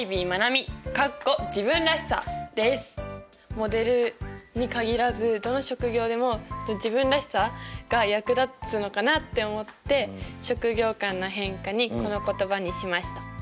モデルに限らずどの職業でも自分らしさが役立つのかなって思って職業観の変化にこの言葉にしました。